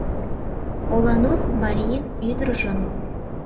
Поланур марийын ӱдыржым